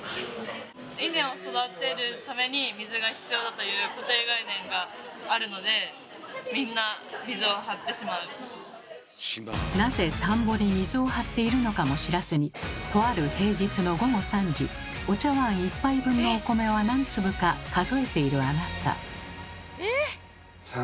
という固定概念があるのでみんななぜ田んぼに水を張っているのかも知らずにとある平日の午後３時お茶わん１杯分のお米は何粒か数えているあなた。